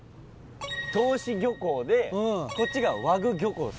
答志漁港でこっちが和具漁港です。